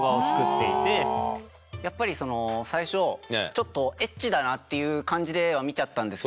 やっぱり最初ちょっとエッチだなっていう感じでは見ちゃったんですけど。